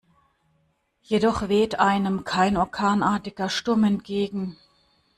Jedoch weht einem kein orkanartiger Sturm entgegen.